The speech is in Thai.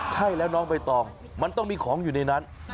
ใช่แล้วน้องใบตองมันต้องมีของอยู่ในนั้น